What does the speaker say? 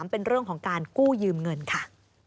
เป็นเรื่องของการกู้ยืมเงินค่ะ